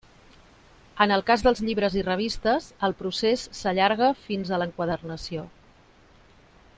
En el cas dels llibres i revistes el procés s'allarga fins a l'enquadernació.